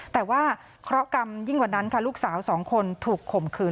แต่ว่าเคราะหกรรมยิ่งกว่านั้นค่ะลูกสาวสองคนถูกข่มขืน